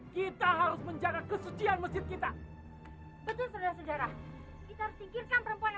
kita harus menjaga kesucian masjid kita